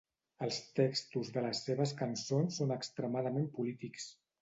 Els textos de les seves cançons són extremadament polítics.